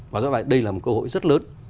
và do vậy đây là một cơ hội rất lớn